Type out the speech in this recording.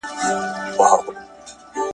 هغه غوښه چې په یخچال کې وه، اوس پخه شوه.